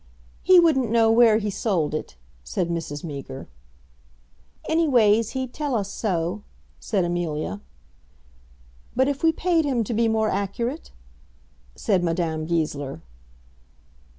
"He wouldn't know where he sold it," said Mrs. Meager. "Anyways he'd tell us so," said Amelia. "But if we paid him to be more accurate?" said Madame Goesler.